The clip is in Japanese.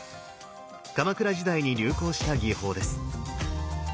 鎌倉時代に流行した技法です。